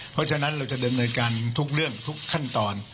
เพราะฉะนั้นเราจะดำเนินการทุกเรื่องทุกขั้นตอน